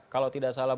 kalau tidak salah